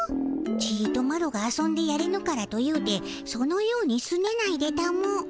ちとマロが遊んでやれぬからというてそのようにすねないでたも。